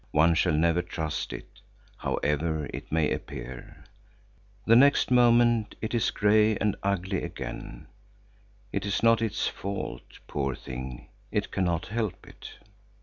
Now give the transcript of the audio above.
One shall never trust it, however it may appear. The next moment it is gray and ugly again. It is not its fault, poor thing, it cannot help it!